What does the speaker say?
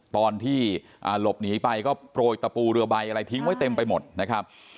ตอนที่หลบหนีไปก็โปรยตะปูเรือใบอะไรทิ้งไว้เต็มไปหมดนะครับ